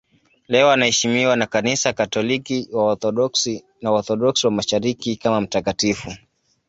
Leo anaheshimiwa na Kanisa Katoliki, Waorthodoksi na Waorthodoksi wa Mashariki kama mtakatifu.